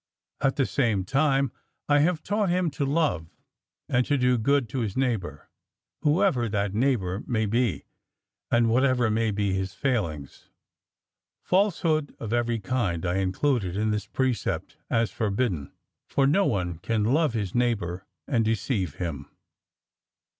At the same time I have taught him to love, and to do good to his neighbour, whoever that neighbour may be, and whatever may be his failings. Falsehood of every kind I included in this precept as forbidden, for no one can love his neighbour and deceive him.